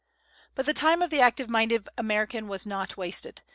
But the time of the active minded American was not wasted.